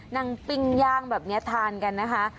นั่งปิ้งย่างแบบนี้ทานกันนะคะ